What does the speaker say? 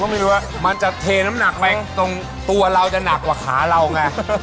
ไม่รู้ว่ามันจะเทน้ำหนักไหมตรงตัวเราจะหนักกว่าขาเราไง